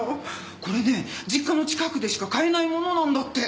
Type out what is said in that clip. これね実家の近くでしか買えないものなんだって。